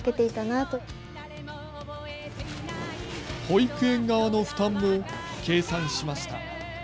保育園側の負担も計算しました。